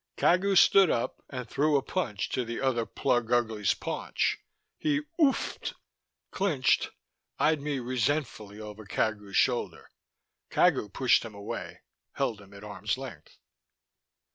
Cagu stood up, and threw a punch to the other plug ugly's paunch. He _oof!_ed, clinched, eyed me resentfully over Cagu's shoulder. Cagu pushed him away, held him at arm's length.